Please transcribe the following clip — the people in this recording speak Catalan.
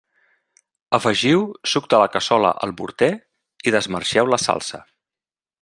Afegiu suc de la cassola al morter i desmarxeu la salsa.